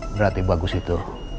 berarti bagus itu